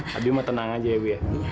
habib mau tenang aja ya bu ya